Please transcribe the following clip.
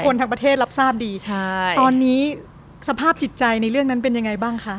ทั้งประเทศรับทราบดีใช่ตอนนี้สภาพจิตใจในเรื่องนั้นเป็นยังไงบ้างคะ